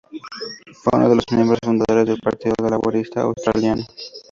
Fue uno de los miembros fundadores del Partido Laborista Australiano.